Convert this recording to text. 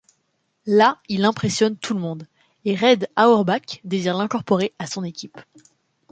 Là, il impressionne tout le monde et Red Auerbach désire l'incorporer à son équipe.